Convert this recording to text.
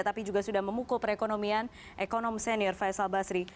tapi juga sudah memukul perekonomian ekonom senior faisal basri